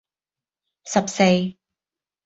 十四